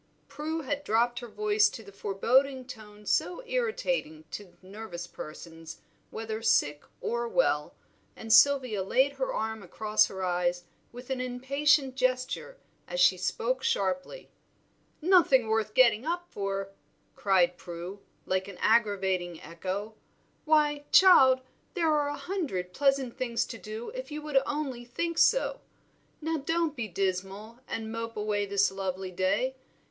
Prue had dropped her voice to the foreboding tone so irritating to nervous persons whether sick or well, and Sylvia laid her arm across her eyes with an impatient gesture as she spoke sharply. "Nothing worth getting up for," cried Prue, like an aggravating echo. "Why, child, there are a hundred pleasant things to do if you would only think so. Now don't be dismal and mope away this lovely day.